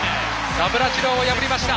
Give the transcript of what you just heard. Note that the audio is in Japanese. ナブラチロワを破りました。